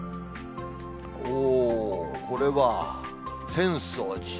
おー、これは浅草寺。